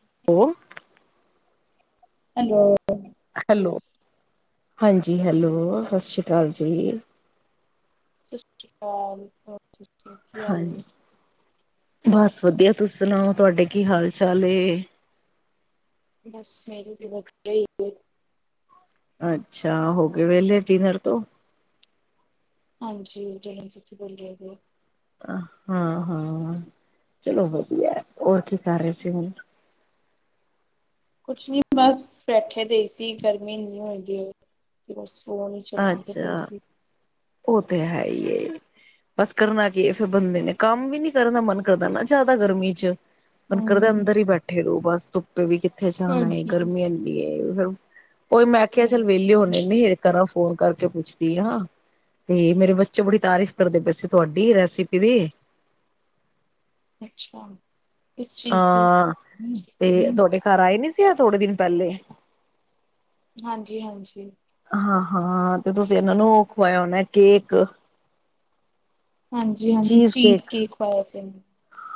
[unintelligible] Hello, hello ਹਾਂਜੀ, hello ਸਤਿ ਸ਼੍ਰੀ ਅਕਾਲ ਜੀ। ਸਤਿ ਸ਼੍ਰੀ ਅਕਾਲ, [unintelligible] ਕੀ ਹਾਲ ਨੇ? ਹਾਂਜੀ ਬਸ ਵਧੀਆ ਤੁਸੀਂ ਸੁਣਾਓ? ਤੁਹਾਡੇ ਕੀ ਹਾਲ ਚਾਲ ਏ? ਬਸ ਮੇਰੀ ਬੀ ਵਧੀਆ ਈ ਏ, ਅੱਛਾ ਹੋਗੇ ਵਿਹਲੇ ਡਿਨਰ ਤੋਂ, ਹਾਂਜੀ [unintelligible] ਹਾਂ-ਹਾਂ ਚਲੋ ਵਧੀਆ ਹੋਰ ਕੀ ਕਰ ਰਹੇ ਸੀ ਹੁਣ? ਕੁੱਛ ਨੀ ਬਸ ਬੈਠੇ ਦੇ ਸੀ ਗਰਮੀ ਇੰਨੀ ਹੁੰਦੀ ਏ ਬਸ, ਫੋਨ ਈ ਚਲਾਂਦੇ ਪਏ ਅੱਛਾ ਸੀ। ਔ ਤੇ ਹੈ ਈ ਏ, ਬਸ ਕਰਨਾ ਕੀ ਏ ਫਿਰ ਬੰਦੇ ਨੇ ਕੰਮ ਵੀ ਨੀ ਕਰਨ ਦਾ ਮਨ ਕਰਦਾ ਨਾ ਜਾਦਾ ਗਰਮੀ ਚ, ਮਨ ਕਰਦਾ ਹੂੰ, ਅੰਦਰ ਈ ਬੈਠੇ ਰੋ ਬਸ ਧੁ ਪ ਵੀ ਕਿੱਥੇ ਜਾਣਾ ਏ ਹਾਂਜੀ। ਗਰਮੀ ਐਨੀ ਏ, [unintelligible] ਓਏ ਮੈਂ ਖਿਆ ਚਲ ਹੂੰ, ਵਿਹਲੇ ਹੋਣੇ ਨੀ ਕਰਾ ਫੋਨ ਕਰਕੇ ਪੁੱਛਦੀ ਆ ਤੇ ਮੇਰੇ ਬੱਚੇ ਬੜੀ ਤਾਰੀਫ਼ ਕਰਦੇ ਪਏ ਸੀ ਤੁਹਾਡੀ ਰੈਸਪੀ ਦੀ ਅੱਛਾ। ਕਿਸ ਚੀਜ਼ ਦੀ? ਹਾਂ ਤੇ ਤੁਹਾਡੇ ਹਾਂਜੀ, ਘਰ ਆਏ ਨੀ ਸੀ [unintelligible] ਥੋੜੇ ਦਿਨ ਪਹਿਲੇ। ਹਾਂਜੀ-ਹਾਂਜੀ ਹਾਂ-ਹਾਂ ਤੇ ਤੁਸੀਂ ਇਹਨਾਂ ਨੂੰ ਓ ਖਵਾਇਆ ਹੋਣਾ ਕੇਕ ਹਾਂਜੀ-ਹਾਂਜੀ ਚੀਜ਼ ਕੇਕ ਖਵਾਇਆ ਸੀ ਇਹਨੂੰ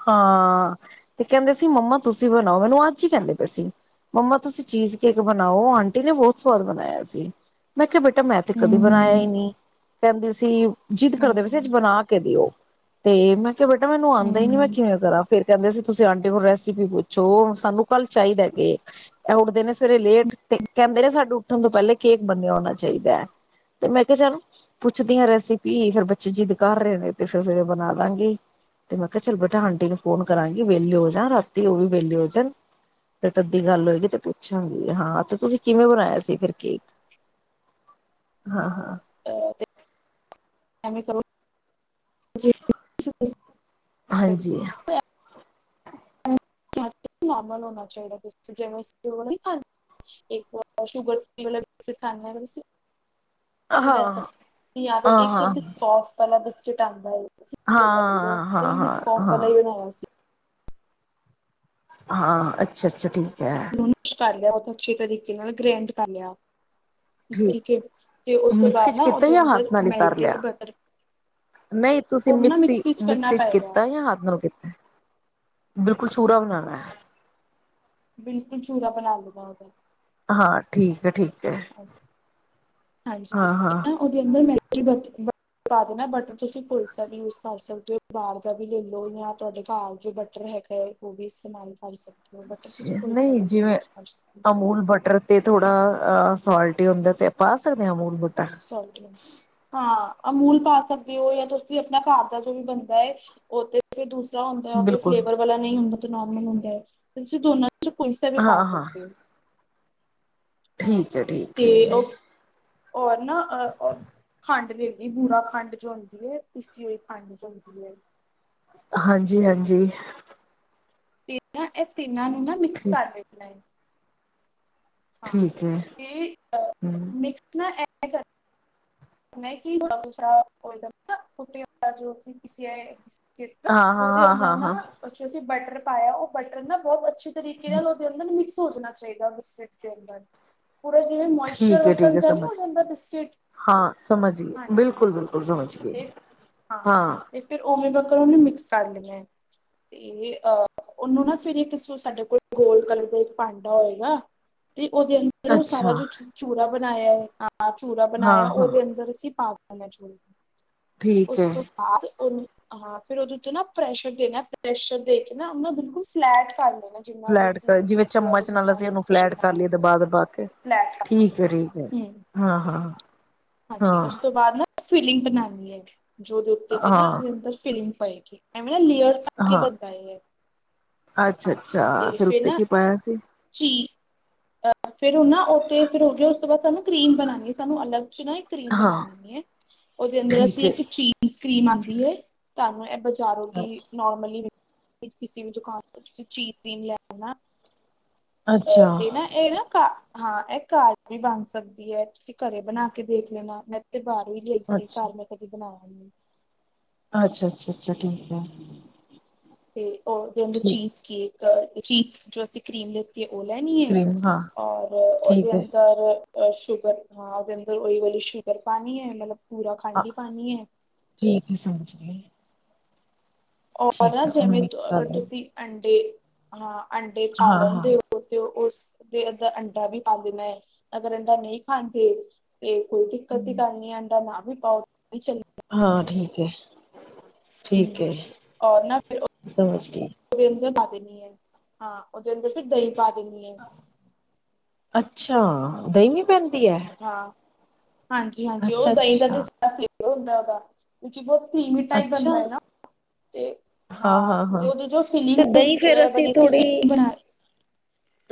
ਹਾਂ ਤੇ ਕਹਿੰਦੇ ਸੀ ਮੰਮਾ ਤੁਸੀਂ ਬਣਾਓ ਮੈਨੂੰ ਅੱਜ ਈ ਕਹਿੰਦੇ ਪਏ ਸੀ, ਮੰਮਾ ਤੁਸੀਂ ਚੀਜ਼ ਕੇਕ ਬਣਾਓ ਆਂਟੀ ਨੇ ਬੋਤ ਸਵਾਦ ਬਣਾਇਆ ਸੀ ਮੈਂ ਕਿਹਾ ਬ ਟ ਮੈਂ ਤੇ ਕਦੀ ਬਣਾਇਆ ਈ ਹੂੰ, ਨੀ ਕਹਿੰਦੀ ਸੀ ਜਿੱਦ ਕਰਦੇ ਵੈਸੇ ਅੱਜ ਹੂੰ। ਬਣਾ ਕੇ ਦਿਓ ਤੇ ਮੈਂ ਕਿਆ ਬੇਟਾ ਮੈਨੂੰ ਹੂੰ, ਆਂਦਾ ਈ ਨੀ ਮੈਂ ਹੂੰ। ਫੇਰ ਕਹਿੰਦੇ ਸੀ ਤੁਸੀਂ ਆਂਟੀ ਨੂੰ ਰੈਸਪੀ ਪੁੱਛੋ ਸਾਨੂੰ ਕੱਲ ਚਾਹੀਦਾ ਕੇਕ ਐ ਉੱਠਦੇ ਨੇ ਸਵੇਰੇ ਲੇਟ ਤੇ ਕਹਿੰਦੇ ਨੇ ਸਾਨੂੰ ਉੱਠਣ ਤੋਂ ਪਹਿਲੇ ਕੇਕ ਬੰਨ੍ਹਿਆ ਹੋਣਾ ਚਾਹੀਦਾ ਹੈ ਤੇ ਮੈਂ ਕਿਆ ਚੱਲ ਪੁੱਛਦੀ ਆ ਰੈਸਪੀ ਫਿਰ ਬੱਚੇ ਜਿੱਦ ਕਰ ਰਏ ਨੇ ਤੇ ਫਿਰ ਸਵੇਰੇ ਬਣਾਦਾਗੀ ਤੇ ਮੈਂ ਕਿਆ ਚੱਲ [unintelligible] ਆਂਟੀ ਨੂੰ ਫੋਨ ਕਰਾਂਗੀ ਵੇਲੇ ਹੋ ਜਾਣ ਰਾਤੀ ਓ ਵੀ ਵੇਲੇ ਹੋ ਜਾਣ ਫੇਰ ਤੱਦੀ ਗੱਲ ਹੋਏਗੀ ਤੇ ਪੁੱਛਾਂਗੀ ਹਾਂ ਤੇ ਤੁਸੀਂ ਕਿਵੇਂ ਬਣਾਇਆ ਸੀ ਫਿਰ ਕੇਕ ਹਾਂ-ਹਾਂ ਐ ਤੇ ਐਂਵੇ ਕਰੋ ਹਾਂਜੀ ਹਾਂ [unintelligible] [inaudible] ਨੋਰਮਲ ਹੋਣਾ ਚਾਹੀਦਾ [inaudible] ਹਾਂ ਲੈ ਸਕ ਯਾਰ ਔ ਹਾਂ ਇੱਕ ਹਾਂ ਬਿਸਕੌਫ ਵਾਲਾ ਬਿਸਕ ਚਟਾਂਡਾ ਏ [inaudible] ਸੌਂਫ ਹਾਂ ਹਾਂ ਹਾਂ ਵਾਲਾ ਹੀ ਬਣਾਇਆ ਸੀ। ਹਾਂ, ਅੱ [inaudible] ਅੱਛੇ ਤਰੀਕੇ ਨਾਲ ਗ੍ਰੈਂਡ ਕਰ ਲਿਆ ਠੀਕ, ਹੈ ਤੇ ਉਸ ਤੋਂ ਮਿਕਸੀ ਬਾਅਦ ਚ ਨਾ ਕੀਤਾ ਉਹਦੇ ਜਾਂ ਹੱਥ ਅੰਦਰ ਨਾਲ ਹੀ ਕਰ ਮੈਲਟਡ ਲਿਆ? ਬਟਰ ਨਹੀਂ ਤੁਸੀਂ ਉਹਨੂੰ ਨਾ ਮਿਕਸੀ ਕਰਨਾ ਮਿਕਸੀ ਚ ਪਏਗਾ ਕੀਤਾ ਜਾਂ ਹੱਥ ਨਾਲ ਕੀਤਾ? ਬਿਲਕੁਲ ਛੂਰਾ ਬਣਾਣਾ ਹੈ। ਬਿਲਕੁਲ ਚੂਰਾ ਬਣਾ ਲੈਣਾ ਉਹਦਾ ਹਾਂ, ਠੀਕ ਏ। ਠੀਕ। ਹੈ ਹਾਂਜੀ, ਹਾਂ ਹਾਂ ਉਹਦੇ ਅੰਦਰ ਮੈਂ ਨਾ ਬਟਰ ਤੁਸੀਂ ਕੋਈ ਸਾ ਵੀ ਯੂਜ ਕਰ ਸਕਦੇ ਹੋ ਬਾਹਰ ਦਾ ਵੀ ਲੈ ਲੋ ਜਾਂ ਤੁਹਾਡੇ ਘਰ ਜੋ ਬਟਰ ਹੈਗਾ ਹੈ ਉਹ ਵੀ ਇਸਤੇਮਾਲ ਕਰ ਸਕਦੇ ਹੋ। ਬਟਰ ਤੁਸੀਂ ਤਸਾ ਨਹੀਂ ਵੀ ਜਿਵੇਂ ਯੂਜ ਕਰ ਸਕਦੇ ਹੋ। ਅਮੂਲ ਬਟਰ ਤੇ ਥੋੜਾ ਅ ਸੋਲਟੀ ਹੀ ਹੁੰਦਾ ਤੇ ਪਾ ਸਕਦੇ ਹਾਂ ਅਮੂਲ [unintelligible] [unintelligible] ਆ। ਅਮੂਲ ਪਾ ਸਕਦੇ ਹੋ ਜਾਂ ਤੁਸੀਂ ਆਪਣਾ ਘਰ ਦਾ ਜੋ ਵੀ ਬਣਦਾ ਹੈ ਉਹ ਤੇ ਫਿਰ ਦੂਸ ਰਾ ਹੁੰਦਾ ਬਿਲਕੁਲ ਫਲੇਵਰ ਵਾਲਾ ਨਹੀਂ ਹੁੰਦਾ। ਨੋਰਮਲ ਹੁੰਦਾ ਹੈ ਤੇ ਤੁਸੀਂ ਦੋਨਾਂ ਚੋ ਕੋਈ ਸਾ ਵੀ ਪਾ ਹਾਂ ਹਾਂ ਸਕਦੇ ਹੋ। ਹਾਂ, ਠੀਕ ਹੈ ਠੀਕ ਤੇ ਹੈ ਉਹ ਔਰ ਨਾ ਖੰਡ ਦੇ ਲਈ ਬੁਰਾ ਖੰਡ ਜੋ ਹੁੰਦੀ ਹੈ, ਪੀਸੀ ਹੋਈ ਖੰਡ ਜੋ ਹੁੰਦੀ ਹੈ। ਹਾਂਜੀ, ਹਾਂਜੀ। ਤੇ ਨਾ ਇਹ ਤਿੰਨ ਇਹਨਾਂ ਨੂੰ ਨਾ ਮਿਕਸ ਠੀਕ ਕਰ ਦੇਣਾ ਏ। ਹਾਂ, ਠੀਕ ਹੈ ਇਹ ਹਮ ਮਿਕਸ ਨਾ ਏ [inaudible] ਨਹੀਂ ਕੀ [unintelligible] ਹਾਂ ਉਹਦੇ ਹਾਂ ਅੰਦਰ ਹਾਂ ਹਾਂ ਨਾ ਹਾਂ ਅੱਛੇ ਅਸੀਂ ਬਟਰ ਪਾਇਆ ਉਹ ਬਟਰ ਨਾ ਬਹੁਤ ਅੱਛੀ ਤਰੀਕੇ ਨਾਲ ਉਹਦੇ ਅੰਦਰ ਮਿਕਸ ਸੋਚਣਾ ਚਾਹੀਦਾ [inaudible] ਅੰਦਰ। ਪੂਰਾ ਜਿਵੇਂ ਮੋਇਸ਼ਚਰ ਠੀਕ ਹੈ ਠੀਕ ਵਕਣ ਹੈ ਦਾ ਨੀ ਹੋ ਸਮਝ ਗਏ ਜਾਂਦਾ ਬਿਸਕਿਟ ਹਾਂ ਸਮਝ ਗਈ, ਹਾਂਜੀ ਬਿਲਕੁਲ-ਬਿਲਕੁਲ ਸਮਝ ਗਈ ਤੇ ਹਾਂ। ਤੇ ਫਿਰ ਉਵੇਂ ਵਕਣ ਉਹਨੂੰ ਮਿਕਸ ਕਰ ਲਿਆਂ ਤੇ ਅਹ ਉਹਨੂੰ ਨਾ ਫਿਰ ਇੱਕ ਸਾਡੇ ਕੋਲ ਗੋਲਡ ਕਲਰ ਦਾ ਇੱਕ ਭਾਂਡਾ ਹੋਏਗਾ ਤੇ ਉਹਦੇ ਅੰਦਰ ਉਹ ਅੱਛਾ ਸਾਰਾ ਜੋ ਚੂਰਾ ਬ [inaudible] ਬਣਾਇਆ ਆ ਹਾਂ ਚੂਰਾ ਹਾਂ ਬਣਾਇਆ ਹਾਂ ਉਹਦੇ ਅੰਦਰ ਅਸੀਂ ਪਾ [inaudible] ਠੀਕ ਉਸ ਹੈ ਤੋਂ ਬਾਅਦ ਉਹਨੂੰ ਹਾਂ ਫਿਰ ਉਹਦੇ ਉੱਤੇ ਨਾ ਪ੍ਰੈਸ਼ਰ ਦੇਣਾ ਪ੍ਰੈਸ਼ਰ ਦੇ ਕੇ ਨਾ ਆਪਾ ਬਿਲਕੁਲ ਫਲੈਟ ਕਰ ਲੈਣਾ ਜਿੰਨਾ ਵੀ ਫਲੈਟ ਅਸੀਂ ਜਿਵੇਂ ਚੂਰਾ ਤੋਂ ਚਮਚ ਨਾਲ ਬਣਾਇਆ ਅਸੀਂ ਉਹਨੂੰ ਪ੍ਰੈਸ਼ਰ ਫਲੈਟ ਕਰ ਬਣਾ ਸੀ ਲਈਏ ਦਬਾ ਦਬਾ ਕੇ ਫਲੈਟ ਕਰ ਠੀਕ ਹੈ ਠੀਕ ਹੈ ਹੂੰ ਹਾਂ-ਹਾਂ ਹਾਂਜੀ ਉਸ ਤੋਂ ਬਾਅਦ ਨਾ ਫੀਲਿੰਗ ਬਣਾਣੀ ਹੈਗੀ ਜੋ ਦੇ ਉਤੇ ਹਾਂ ਅੰਦਰ ਫਿਲਿੰਗ ਪਾਈ ਕਿ ਐਮ ਲੇਅਰ ਕੇ ਹਾਂ ਬਣਦਾ ਹੈ ਅੱਛਾ ਹਾਂ ਅੱਛਾ ਤੇ ਫਿਰ ਉੱਤੇ ਨਾ ਕੀ ਪਾਇਆ ਸੀ ਚੀ ਫੇਰ ਉਹ ਨਾ ਉੱਥੇ ਫਿਰ ਹੋ ਗ ਬਸ ਸਾਨੂੰ ਕਰੀਮ ਬਣਾਉਣੀ ਸਾਨੂੰ ਅਲੱਗ ਨਾ ਇੱਕ ਕਰੀਮ ਬਣਾ ਹਾਂ ਲੈਂਣੀ ਹੈ ਉਹਦੇ ਅੰਦਰ ਠੀਕ ਅਸੀਂ ਹੈ ਇੱਕ ਚੀਜ਼ ਕਰੀਮ ਆਂਦੀ ਹੈ। ਧਾਨੂੰ ਐ ਬਜ਼ਾਰੋ ਦੀ ਅੱਛਾ ਨੋਰਮਲੀ ਕਿਸੇ ਵੀ ਦੁਕਾਨ ਤੇ, ਤੁਸੀਂ ਚੀਜ਼ ਵੀ ਨ ਲੈ ਲੈਣਾ ਅ ਅੱਛਾ [unintelligible] ਤੇ ਨਾ ਇਹ ਨਾ ਕ ਹਾਂ ਐਹ ਘਰ ਵੀ ਬਣ ਸਕਦੀ ਐ ਤੁਸੀਂ ਘਰੇ ਬਣਾ ਕੇ ਦੇਖ ਲੈਣਾ ਮੈਂ ਤੇ ਬਾਰ ਫਮੈਂ [unintelligible] ਕਦੇ ਬਣਾ ਅੱਛਾ-ਅੱਛਾ ਅੱਛਾ ਠੀਕ ਹੈ! ਤੇ ਉਹ [unintelligible] ਠੀਕ ਚੀਜ਼ ਕੀ ਅ ਚੀਜ਼ ਜੋਸੀ ਕਰੀਮ ਲ ਤੇ ਉਹ ਲੈਣੀ ਹੈ ਕਰੀਮ ਹਾਂ ਔਰ ਉਹਦੇ ਠੀਕ ਹੈ ਅੰਦਰ ਅ ਸ਼ੂਗਰ ਹਾਂ ਉਹਦੇ ਅੰਦਰ ਓਹੀਓ ਵਾਲੀ ਸ਼ੂਗਰ ਪਾਣੀ ਹੈ ਮਲਬ ਹਾਂ ਠੀਕ ਹੈ ਸਮਝ ਗਈ ਔਰ ਨਾ ਜਿਵੇਂ ਮਿਕਸ ਕਰ ਅਗਰ ਲਓ ਤੁਸੀਂ ਅੰਡੇ ਹਾਂ ਅੰਡੇ ਖ਼ਾ ਹਾਂ ਹਾਂ ਲੈਂਦੇ ਤੇ ਉਸ ਤੇ ਅੱਧਾ ਅੰਡਾ ਵੀ ਪਾ ਦੇਣਾ ਐ ਅਗਰ ਅੰਡਾ ਨਹੀਂ ਖਾਂਦੇ ਇਹ ਕੋਈ ਦਿੱਕਤ ਦੀ ਗੱਲ ਨੀ ਅੰਡਾ ਨਾ [unintelligible] ਹਾਂ ਠੀਕ ਹੈ। ਹੂ ਠੀਕ ਹੈ ਔਰ ਨਾ ਫਿਰ ਸਮਝ ਗਈ [unintelligible] ਹਾਂ ਜਾਂ ਫਿਰ ਦਹੀ ਪਾ ਦੇਣੀ ਹੈ। ਛਾ ਦਹੀ ਵੀ ਪੈਂਦੀ ਹੈ। ਹਾਂ ਹਾਂਜੀ- ਹਾਂਜੀ ਉਹ ਅੱਛਾ ਦਹੀ ਦਾ ਅੱਛਾ ਤੁਸੀ ਪਹਿਲੇ ਹੀ। [unintelligible] [unintelligible] ਕ੍ਰੀਮੀ ਟਾਈਪ ਅੱਛਾ ਬਣਦਾ ਹੈ ਨਾ ਤੇ ਹਾਂ ਤੇ ਉਹ ਜੋ ਅਸੀਂ ਤੇ ਦਹੀਂ ਫੇਰ ਅਸੀਂ ਥੋੜ੍ਹੀ ਫੀਲਿੰਗ ਬਣਾਣੀ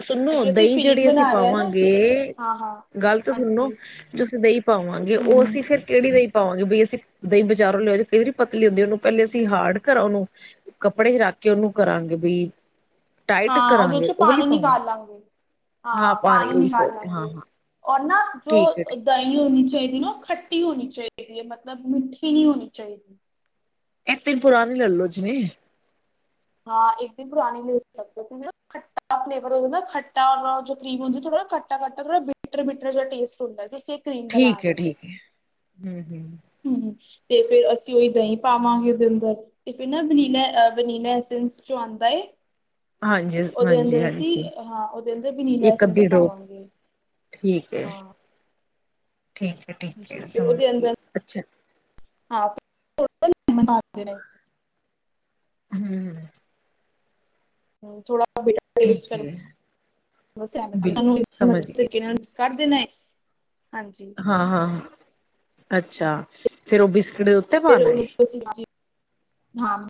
ਸੁਣੋ ਦਹੀਂ ਜਿਹੜੀ ਅਸੀ ਬਣਾ ਰਹੇ ਨਾ ਪਾਵਾਂਗੇ ਹਾਂ ਹਾਂ ਗਲ ਤ ਸੁਣੋ ਹਾਂਜੀ ਜੋ ਅਸੀ ਦਹੀ ਪਾਵਾਂਗੇ ਹੂੰ ਉਹ ਹੂੰ ਅਸੀ ਫਿਰ ਕਿਹੜੀ ਲਈ ਪਾਵਾਂਗੇ ਬਈ ਅਸੀਂ ਦਹੀਂ ਬਜ਼ਾਰੋਂ ਲਿਆ ਕੇ ਕਈ ਵਾਰੀ ਪਤਲੀ ਆਉਂਦੇ ਉਹਨੂੰ ਪਹਿਲੇ ਅਸੀਂ ਹਾਰਡ ਕਰਾਂ ਉਹਨੂੰ ਕੱਪੜੇ ਰੱਖ ਕੇ ਉਹਨਾਂ ਨੂੰ ਕਰਾਂਗੇ ਉਹਨਾਂ ਨੂੰ ਬਈ, ਟਾਈਟ ਹਾਂ ਉਹਦੇ ਚ ਕਰਾਂਗੇ ਉਹ ਵਾਲੀ ਪਾਣੀ ਨੀ ਪਾਵਾਂ ਨਿਕਾਲ ਨਿਕਾਲ ਲਾਗੇ ਹਾਂ ਪਾਣੀ ਉਹੀ ਨਿਕਾਲ ਸੋਰੀ ਲਾਗੇ ਹਾਂ ਗੇ ਹਾਂ ਹੈਨਾ- ਜੋ ਠੀਕ ਹੈ ਠੀਕ ਦਹੀ ਹੋੁੰਦੀ ਕਹਿਨੀ ਔ ਉਹ ਖੱਟੀ ਹੋਣੀ ਚਾਹੀਦੀ ਹੈ। ਮਤਲਬ ਮਿੱਠੀ ਨਹੀਂ ਹੋਣੀ ਚਾਹੀਦੀ ਇਕ ਦਿਨ ਪੁਰਾਨੀ ਲੈਲੋ ਜਿਵੇ ਹਾਂ ਇੱਕ ਦਿਨ ਪੁਰਾਣੀ ਨਹੀਂ ਹੋ ਸਕਦੇ ਨਾ ਖੱਟਾ ਫਲੇਵਰ ਹੋ ਜਾਂਦਾ ਨਾ ਖੱਟਾ ਨਾਲ ਜੋ ਖੱਟਾ ਘੱਟ ਥੋੜਾ ਬਿੱਟਰ ਬਿੱਟਰ ਜੇਆ ਟੇਸਟ ਹੁੰਦਾ ਹੈ ਤੁਸੀ ਠੀਕ ਹੈ ।ਠੀਕ ਹੈ। ਹੂ- ਹੂ ਹਮ, ਤੇ ਫੇਰ ਅਸੀ ਉਹੀ ਦਹੀ ਪਾਵਾਂਗੇ ਉਹਦੇ ਅੰਦਰ ਤੇ ਫਿਰ ਨਾ ਵਨੀਲਾ ਐਸਐਸ ਚ' ਆਉਂਦਾ ਹੈ। ਹਾਂਜੀ ਉਹਦੇ ਹਾਂਜੀ ਅੰਦਰ ਅਸੀਂ ਹਾਂਜੀ ਹਾਂ ਉਹਦੇ ਅੰਦਰ ਵਨੀਲਾ ਇੱਕ ਅੱਧੀ ਸੈਂਸ ਡੋਪ ਪਾਵਾਂਗੇ ਠੀਕ ਹੈ ਹਾਂ ਠੀਕ ਹੈ ਠੀਕ ਹੈ, ਜੀ ਫਿਰ ਸਮਝ ਉਹਦੇ ਗਈ ਅੰਦਰ ਅੱਛਾ [unintelligible] ਹੂ- ਹੂ ਥੋੜਾ ਠੀਕ ਹੈ ਬਿਲਕੁਲ ਸਮਝ ਗਈ [unintelligible] ਨਹੀਂ। ਹਾਂ ਹਾਂ ਅੱਛਾ ਫੇਰ ਉਹ ਵੀ [unintelligible] ਹਾਂ।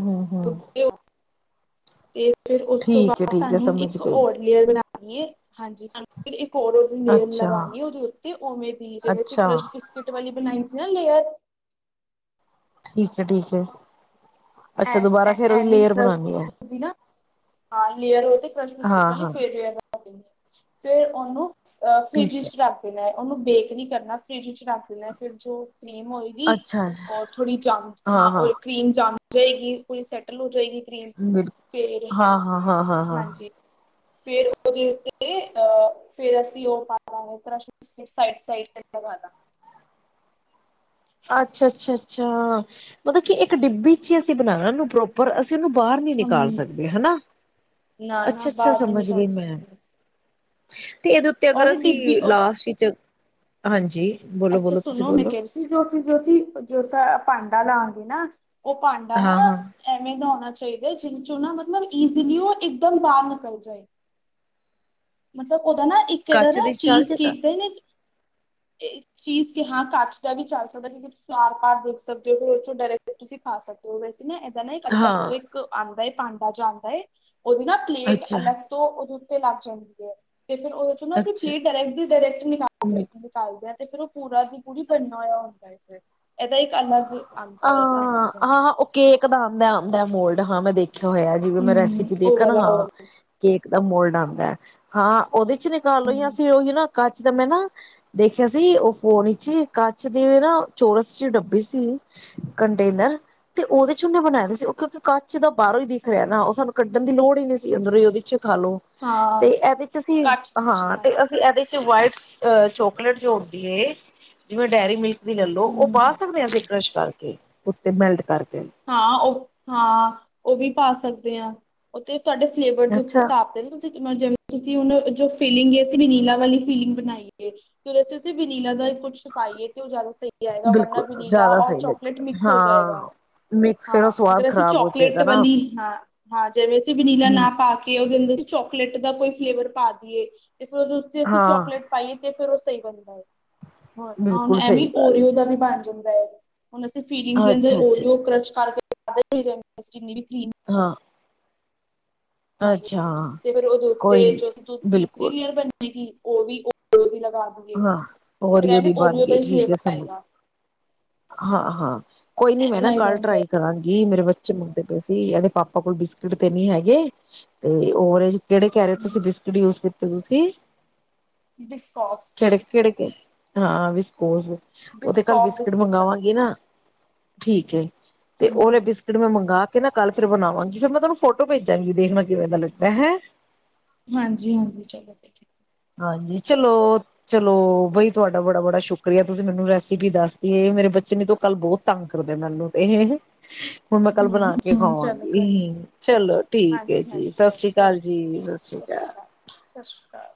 ਹੂ ਹੂ ਗੁੱਡੇ ਤੇ। ਫਿਰ ਉਸ ਤੋਂ ਏ ਬਾਅਦ ਠੀਕ ਏ ਸਾਨੂੰ ਸਮਝ ਇੱਕ ਗਈ। ਹੋਰ ਲੇਅਰ ਬਣਾਣੀ ਹੈ, ਹਾਂਜੀ ਸਾਨੂੰ ਇੱਕ ਹੋਰ ਲੇਅਰ ਅੱਛਾ ਲਗਾਨੀ ਉਹਦੇ ਉੱਤੇ, ਉਵੇਂ ਦੀ ਜਿਵੇਂ ਅਸੀਂ ਅੱਛਾ ਕਸ਼ ਬਿਸਕਿਟ ਵਾਲੀ ਬਣਾਈ। ਲੇਅਰ ਠੀਕ ਹੈ । ਐ ਐ ਵੀ ਕਰਸ਼ ਐ। ਬਿਸਕੁਟ ਵਾਲੀ ਨਾ, ਹ ਲੇਅਰ ਹੋ ਕ੍ਰਸ਼ ਬਿਸਕਿਟ ਹਾਂ ਮ ਹਾਂ ਫੇਰ ਫੇਰ ਉਹਨੂੰ ਅ ਫਰਿਜ ਠੀਕ ਐ ਚ ਰੱਖ ਦੇਣਾ ਐ। ਉਹਨੂੰ ਬੇਕ ਨੀ ਕਰਨਾ ਫਰਿਜ ਚ। ਰ ਲੈ ਫਿਰ ਜੋ ਕਰੀਮ ਹੋਏਗੀ ਅੱਛਾ ਅੱਛਾ ਰ ਥੋੜੀ ਜਮ ਹਾਂ ਕਰੀਮ ਜਮ ਜਾਏਗੀ ਪੂਰੀ ਸੈਟਲ ਹੋ ਜਾਏਗੀ। ਫੇਰ ਬਿਲਕੁਲ, ਹਾਂ ਹਾਂ-ਹਾਂ-ਹਾਂ। ਹਾਂਜੀ ਫੇਰ ਉਹਦੇ ਉੱਤੇ ਅਹ ਫੇਰ ਅਸੀਂ, ਅੱਛਾ-ਅੱਛਾ-ਅੱਛਾ, ਮਤਲਬ ਕਿ ਇੱਕ ਡਿੱਬੀ ਚ ਹੀ ਅਸੀਂ ਬਣਾਣਾ ਉਹਨੂੰ ਪ੍ਰੋਪਰ। ਕਿਸੇ ਨੂੰ ਬਾਹਰ ਨੀ ਨਿਕਾਲ, ਹਮ। ਜੀ। ਨਾ ਨਾ ਬਾਅਦ ਮੈਂ ਨਿਕਾਲ ਸਕਤੇ ਹੈ। ਤੇ ਇਹਦੇ ਉੱਤੇ ਅਗਰ ਔਰ ਅਸੀਂ ਡਿੱਬੀ ਉਹਦਾ ਲਾਸਟ ਵਿੱਚ। ਹਾਂਜੀ, ਬੋਲੋ ਅੱਛਾ, ਬੋਲੋ ਤੁਸੀਂ ਸੁਣੋ ਮੈਂ ਬੋਲੋ ਕਹਿ ਰਹੀ ਸੀ। ਜੋ ਅਸੀਂ ਜੋ ਭਾਂਡਾ ਲਾਂਗੇ ਨਾ, ਉਹ ਭਾਂਡਾ ਨਾ ਹਾਂ ਹਾਂ ਐਵੇਂ ਦਾ ਹੋਣਾ ਚਾਹੀਦਾ। ਜੀ ਦੇ ਚੋਂ ਨਾ ਮਤਲਬ ਇਸੀਲਈ ਉਹ ਇੱਕਦਮ ਬਾਹਰ ਨਿਕਲ ਜਾਏ। ਮਤਲਬ? ਉਹਦਾ ਨਾ ਇੱਕ ਇਧਰ ਕੱਚ ਨਾ ਦੀ ਚੱਲ ਚੀਜ਼ ਜੇਗਾ। ਦੇਖਦੇ ਨੇ। ਇਹ ਚੀਜ਼ ਕਿ ਹਾਂ ਕੱਚ ਦਾ ਵੀ ਚੱਲ ਸਕਦਾ ਕਿਉਂਕਿ ਤੁਸੀਂ ਆਰ ਪਾਰ ਦੇਖ ਸਕਦੇ ਹੋ ਫੋਂ ਡਾਇਰੈਕਟ ਤੁਸੀਂ ਖਾ ਸਕਦੇ ਹੋ ਵੈਸੇ ਨਾ ਤ ਹਾਂ, ਇੱਕ ਆਂਦਾ ਏ। ਪਾਂਡਾ ਜਾਂਦਾ ਏ। ਉਹਦੀ ਨਾ ਪਲੇਟ ਅਲਗ ਤੋਂ, ਤੇ ਲੱਗ ਜਾਏਗਾ। [unintelligible] ਤੇ ਫੇਰ ਉਹਦੇ ਚੋਂ ਨਾ ਅਸੀਂ ਅੱਛਾ-ਅੱਛਾ ਪਲੇ ਡਾਇਰੈਕਟ ਦੀ ਡਾਇਰੈਕਟ ਬਿਲ ਨਿਕਾਲਦੇ ਆ। ਤੇ ਫਿਰ ਉਹ ਪੂਰਾ ਦੀ ਪੂਰੀ ਬਣਨਾ ਹੋਇਆ ਹੁੰਦਾ ਇੱਥੇ। ਹਾਂ-ਹਾਂ-ਹਾਂ, ਉਹ ਕੇਕ ਦਾ ਆਦਾ-ਆਦਾ ਮੋਲ ਹਾਂ ਮੈਂ ਦੇਖਿਆ। ਦੇਖਿਆ ਹੋਇਆ ਜਿਵੇਂ ਮੈਂ ਹਮ ਰੈਸਿਪੀ ਉਹ ਦੇਖ ਨਾ ਵਾਲਾ ਹਾਂ, ਉਹ ਕੇਕ ਦਾ ਮੋਡ ਆ ਹਾਂ, ਉਹਦੇ ਚ ਨਿਕਾਲ ਲੌ ਜਾਂ ਉਹ ਨਾ ਕੱਚ ਦਾ ਮੈਂ ਨਾ ਦੇਖਿਆ ਸੀ, ਉਹ ਫੋਨ ਵਿਚ ਕੱਚ ਦੇ ਨਾ ਚੋਰਸ ਚ ਡੱਬ ਸੀ ਕੰਟੇਨਰ ਤੇ ਉਹਦੇ ਚ ਉਹਨੇ ਬਣਾਏ ਦੇ ਸੀ, ਉਹ ਕਿਉਂਕਿ ਕੱਚ ਦਾ ਬਾਹਰੋਂ ਹੀ ਦਿਖ ਰਿਹਾ, ਨਾ ਉਹ ਸਾਨੂੰ ਕੱਢਣ ਦੀ ਲੋੜ ਹੀ ਨਹੀਂ ਸੀ, ਅੰਦਰੋਂ ਹੀ ਉਹਦੇ ਚ ਖਾਲੋ ਤੇ ਹਾਂ ਇਹਦੇ ਚ ਅਸੀਂ ਕੱਚ ਚ ਹਾਂ, ਬਣਾ ਤੇ ਅਸੀਂ ਸਕਦੇ ਇਹਦੇ ਚ ਵਾਈਟਸ ਅ ਚੋਕਲੇਟ ਜੋੜਦੀ ਹੈ, ਜਿਵੇਂ ਡੇਅਰੀ ਮਿਲਕ ਵੀ ਲੈ ਲੋ ਉਹ ਹਮ [unintelligible] ਉੱਤੇ ਮੈਲਟ ਕਰਕੇ ਹਾਂ, ਉਹ ਹਾਂ, ਉਹ ਵੀ ਪਾ ਸਕਦੇ ਹਾਂ, ਉਹ ਤੇ ਤੁਹਾਡੇ ਫਲੇਵਰ ਦੇ ਉੱਤੇ ਅੱਛਾ ਸਾਬ ਦੇ ਨੇ ਜਿਵੇ ਤੁਸੀਂ ਜੋ ਫੀਲਿੰਗ ਅਸੀਂ ਵਿਨੀਲਾ ਵਾਲੀ ਫੀਲਿੰਗ ਬਣਾਈ ਏ, ਤੇ ਅਸੀ ਉੇਹ ਦੇ ਚ ਵਿਨੀਲਾ ਦਾ ਕੁੱਛ ਪਾਈਏ ਤੇ ਉਹ ਜ਼ਿਆਦਾ ਸਹੀ ਜਾਏਗਾ ਵਰਨਾ ਬਿਲਕੁਲ ਵਨੀਲਾ ਜ਼ਿਆਦਾ ਔਰ ਸਹੀ ਲੱਗੇ ਚੌਕਲੇਟ ਮਿਕਸ ਹੋ ਜਾਏਗਾ। ਹਾਂ ਮਿਕਸ ਫੇਰ ਉਹ ਹਾਂ, ਸਵਾਦ ਅਗਰ ਅਸੀਂ ਖ਼ਰਾਬ ਹੋ ਚੋਕਲੇਟ ਜਾਏਗਾ ਨਾ ਵਾਲੀ ਹਾਂ, ਹਾਂ ਜਿਵੇਂ ਅਸੀਂ ਵਨੀਲਾ ਹਮ ਨਾ ਪਾ ਕੇ ਉਹਦੇ ਅੰਦਰ ਚੋਕਲੇਟ ਦਾ ਕੋਈ ਫਲੇਵਰ ਪਾ ਦੀਈਏ। ਤੇ ਫਿਰ ਉਹਦੇ ਉੱਤੇ ਅਸੀਂ ਹਾਂ ਚੋਕਲੇਟ ਪਾਈਏ ਤੇ ਫਿਰ ਉਹ ਸਹੀ ਬਣਦਾ ਏ। ਹੋ ਬਿਲਕੁਲ ਸਹੀ ਐਵੇ ਗੱਲ ਓਰੀਓ ਦਾ ਬਣ ਜੇ [unintelligible] ਹੁਣ ਅਸੀਂ ਫੀਲਿੰਗ ਦੇ ਅੰਦਰ ਅੱਛਾ ਅੱਛਾ ਓਰਿਓ ਕਰਕੇ [inaudible] ਅਸੀ ਚੀਨੀ ਵੀ ਕਰੀਮ ਹਾਂ। ਬਣਾਈ ਅੱਛਾ ਹਾਂ ਤੇ ਫਿਰ ਉਹਦੇ ਕੋਈ ਉੱਤੇ ਨੀ ਤੀਸਰੀ ਬਿਲਕੁਲ ਲੇਅਰ ਬਣੀ। ਉਹ ਵੀ ਲਗਾ ਦਈਏ। ਹਾਂ ਹੋਰ ਫਿਰ ਓਰੇਓ ਦੀ ਐਵੇਂ ਬਣ ਓਰੀਓ ਦਾ ਗਈ ਹੀ ਠੀਕ ਹੈ, ਫਲੇਵਰ ਸਮਝ ਆਏਗਾ ਹਾਂ ਹਾਂ। ਕੋਈ ਨੀ ਐਵੇਂ ਮੈਂ ਨਾ ਬਣਾਈ ਦਾ ਕੱਲ ਹੁੰਦਾ ਟਰਾਈ ਕਰਾਂਗੀ, ਮੇਰੇ ਬੱਚੇ ਬੱਚੇ ਮੰਗਦੇ ਪਏ ਸੀ, ਇਹਦੇ ਪਾਪਾ ਕੋਲ ਬਿਸਕਿਟ ਤੇ ਨੀ ਹੈਗੇ ਓਰੇਜ ਕਿਹੜੇ ਕਹਿ ਰਹੇ ਤੁਸੀਂ ਹੈ। ਬਿਸਕਿਟ ਜੂਯ ਕੀਤੇ। ਤੇ ਤੁਸੀਂ- ਡਿਸਕੋਫ। ਕਿਹੜੇ-ਕਿਹੜੇ ਹਾਂ, ਵਿਸਪੋਜ। ਉਹ ਤੇ ਕੱਲ ਬਿਸਕੋਫ ਬਿਸਕਿਟ ਬਿਸਕਿਟਸ ਹਨ। ਮੰਗਾਵਾਂਗੀ ਨਾ। ਠੀਕ ਏ। ਤੇ ਹੂੰ ਉਹਦੇ ਹੂੰ ਬਿਸਕਿਟ ਮੈਂ ਮੰਗਾ ਕੇ ਇਹ ਨਾ ਕੱਲ ਫਿਰ ਬਣਾਵਾਂਗੀ, ਫਿਰ ਮੈਂ ਤੁਹਾਨੂੰ ਫੋਟੋ ਭੇਜਾਂਗੀ, ਦੇਖਣਾ ਕਿਵੇਂ ਦਾ ਲੱਗਦਾ ਹੈ। ਹਾਂਜੀ-ਹਾਂਜੀ ਚਲੋ, ਠੀਕ-ਠੀਕ। ਹਾਂਜੀ। ਚਲੋ-ਚਲੋ ਬਾਈ ਤੁਹਾਡਾ ਬੜਾ-ਬੜਾ ਸ਼ੁਕਰੀਆ ਤੁਸੀਂ ਮੈਨੂੰ ਰੈਸਿਪੀ ਦਸਤੀ ਏ ਮੇਰੇ ਬੱਚੇ ਨੇ ਤੇ ਕੱਲ ਬਹੁਤ ਤੰਗ ਕਰਦੇ ਮੈਨੂੰ ਤੇ ਇਹ- ਹੁਣ ਮੈਂ ਕੱਲ ਹੂੰ ਬਣਾ ਕੇ ਹੂੰ ਚਲੋ ਕੋਈ ਨੀ ਖਵਾਵਾਂਗੀ, ਚਲੋ ਠੀਕ ਹੈ ਹਾਂਜੀ ਜੀ। ਹਾਂਜੀ ਸਤਿ ਚਲੋ ਸ੍ਰੀ ਕੋਈ ਅਕਾਲ ਨੀ ਜੀ। ਸਤਿ ਠੀਕ ਸ੍ਰੀ ਸ਼੍ਰੀ ਅਕਾਲ। ਸਤਿ ਸ਼੍ਰੀ ਅਕਾਲ।